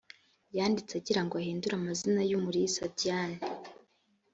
yanditse agirango ahindure amazina y’umulisa diane